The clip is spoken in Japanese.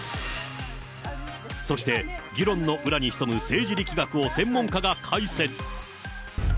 そして、議論の裏に潜む政治力学を専門家が解説。